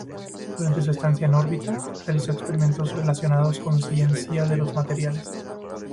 Durante su estancia en órbita, realizó experimentos relacionados con ciencia de los materiales.